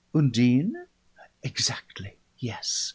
"Undine?" "Exactly yes.